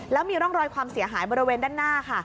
แล้วมีร่องรอยความเสียหายบริเวณด้านหน้าค่ะ